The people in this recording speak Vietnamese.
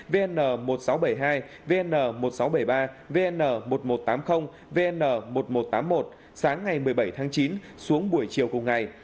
vn một nghìn sáu trăm bảy mươi hai vn một nghìn sáu trăm bảy mươi ba vn một nghìn một trăm tám mươi vn một nghìn một trăm tám mươi một sáng ngày một mươi bảy tháng chín xuống buổi chiều cùng ngày